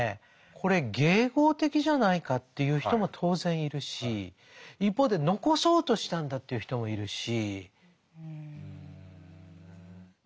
これ迎合的じゃないかって言う人も当然いるし一方で残そうとしたんだと言う人もいるし。